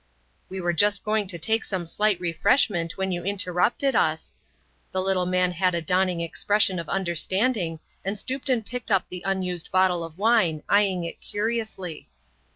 "We were just going to take some slight refreshment when you interrupted us..." The little man had a dawning expression of understanding and stooped and picked up the unused bottle of wine, eyeing it curiously.